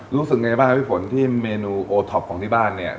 รู้สึกยังไงบ้างครับพี่ฝนที่เมนูโอท็อปของที่บ้านเนี่ย